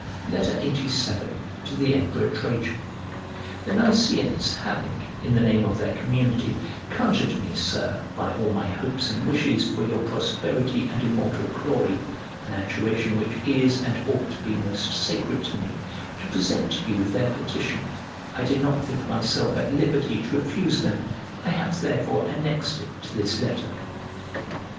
LXXXVII To THE EMPEROR TRAJAN THE Niceans having, in the name of their community, conjured me, Sir, by all my hopes and wishes for your prosperity and immortal glory (an adjuration which is and ought to be most sacred to me), to present to you their petition, I did not think myself at liberty to refuse them: I have therefore annexed it to this letter.